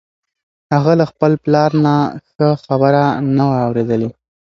هغه له خپل پلار نه ښه خبره نه وه اورېدلې.